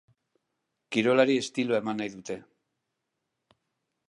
Kirolari estiloa eman nahi dute.